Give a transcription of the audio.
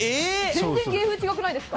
全然芸風違くないですか？